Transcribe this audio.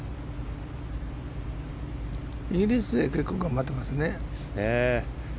イギリス勢は頑張ってますね。